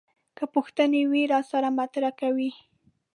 که پوښتنې وي راسره مطرح کوي.